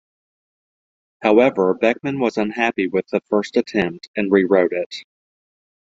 However Beckmann was unhappy with the first attempt and rewrote it.